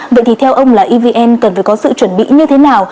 vậy thì theo ông là evn cần phải có sự chuẩn bị như thế nào